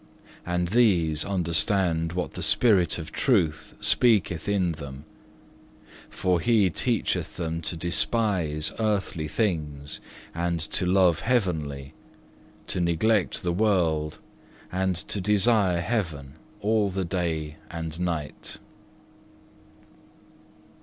And these understand what the Spirit of truth speaketh in them; for He teacheth them to despise earthly things and to love heavenly; to neglect the world and to desire heaven all the day and night."